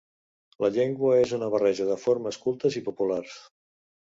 La llengua és una barreja de formes cultes i populars.